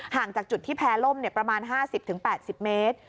จากจุดที่แพร่ล่มประมาณ๕๐๘๐เมตร